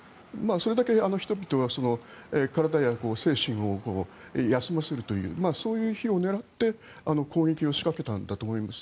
それだけ人々は体や精神を休ませるというそういう日を狙って攻撃を仕掛けたんだと思います。